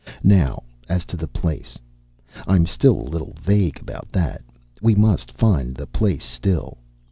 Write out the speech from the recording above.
Now as to the place! I'm still a little vague about that. We must find the place, still.